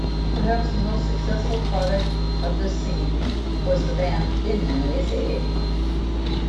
Perhaps the most successful product of this scene was the band Thin Lizzy.